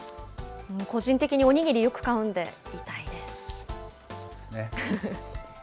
個人的にお握りよく買うんで痛いです。